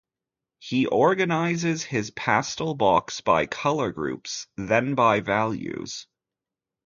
He organizes his pastel box by color groups, then by values.